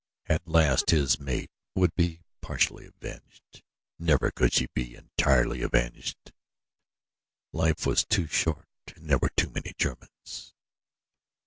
At last his mate would be partially avenged never could she be entirely avenged. Life was too short and there were too many Germans.